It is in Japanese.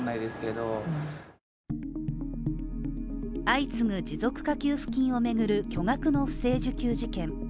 相次ぐ持続化給付金を巡る巨額の不正受給事件